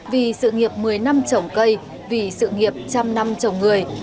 vì sự nghiệp một mươi năm chồng cây vì sự nghiệp một trăm linh năm chồng người